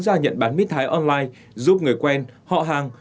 ra nhận bán mít thái online giúp người quen họ hàng